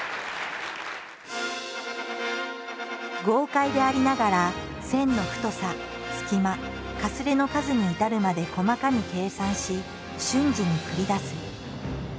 豪快でありながら線の太さ隙間かすれの数に至るまで細かに計算し瞬時に繰り出す。